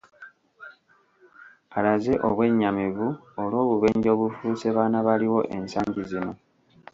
Alaze obwennyamivu olw’obubenje obufuuse baana baliwo ensangi zino